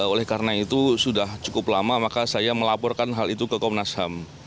oleh karena itu sudah cukup lama maka saya melaporkan hal itu ke komnas ham